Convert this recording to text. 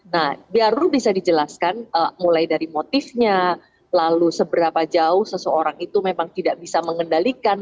nah biar bisa dijelaskan mulai dari motifnya lalu seberapa jauh seseorang itu memang tidak bisa mengendalikan